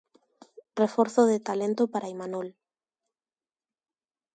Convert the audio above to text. Reforzo de talento para Imanol.